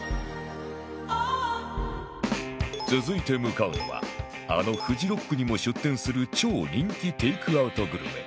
続いて向かうのはあのフジロックにも出店する超人気テイクアウトグルメ